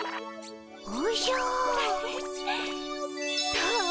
どう？